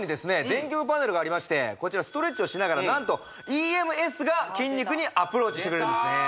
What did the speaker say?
電極パネルがありましてこちらストレッチをしながら何とＥＭＳが筋肉にアプローチしてくれるんですね